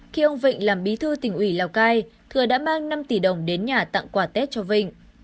khi ông vịnh làm bí thư tỉnh ủy lào cai thừa đã mang năm tỷ đồng đến nhà tặng quà tết cho vinh